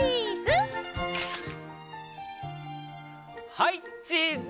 はいチーズ！